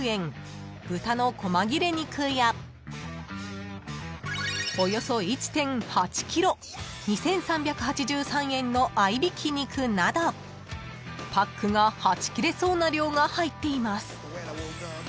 豚の小間切れ肉やおよそ１．８ｋｇ２，３８３円の合いびき肉などパックがはちきれそうな量が入っています］